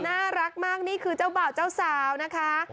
น่ารักมากนี่คือเจ้าบ่าวเจ้าสาวนะคะ